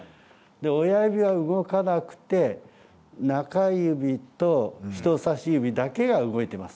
親指が動かなくて中指と人さし指だけが動いています。